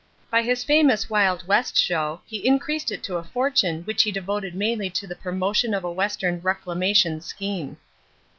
By his famous Wild West Show, he increased it to a fortune which he devoted mainly to the promotion of a western reclamation scheme.